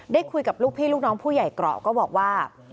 คุยกับลูกพี่ลูกน้องผู้ใหญ่เกราะก็บอกว่า